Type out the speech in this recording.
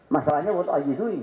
masalahnya what are you doing